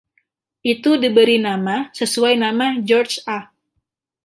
Itu diberi nama sesuai nama George A.